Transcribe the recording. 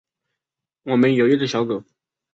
我们有一只小狗